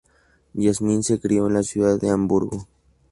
Yasmin se crio en la ciudad de Hamburgo.